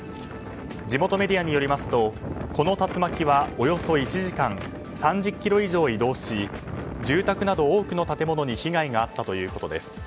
地元メディアによりますとこの竜巻はおよそ１時間３０ｋｍ以上移動し住宅など多くの建物に被害があったということです。